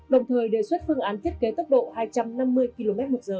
đồng thời đề xuất phương án thiết kế tốc độ hai trăm năm mươi km một giờ